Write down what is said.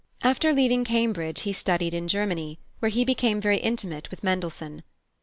After leaving Cambridge he studied in Germany, where he became very intimate with Mendelssohn.